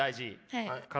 はい。